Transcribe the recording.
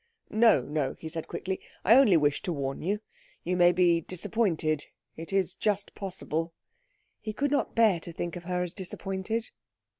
"No, no," he said quickly, "I only wish to warn you. You maybe disappointed it is just possible." He could not bear to think of her as disappointed.